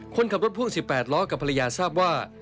คนขับรถพ่วง๑๘ล้อกับภรรยาทราบว่า